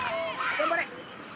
頑張れ！